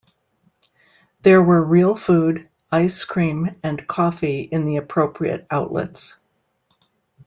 There were real food, ice cream, and coffee in the appropriate outlets.